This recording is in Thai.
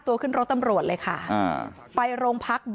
เมื่อเวลาอันดับ